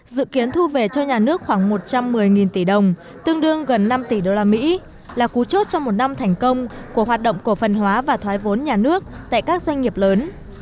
dự kiến thu về cho nhà nước khoảng một trăm một mươi tỷ đồng tương đương gần năm tỷ usd là cú chốt cho một năm thành công của hoạt động cổ phần hóa và thoái vốn nhà nước tại các doanh nghiệp lớn